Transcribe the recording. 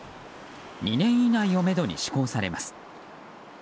２年以内をめどに施行されます。